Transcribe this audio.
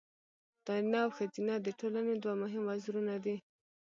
نارینه او ښځینه د ټولنې دوه مهم وزرونه دي.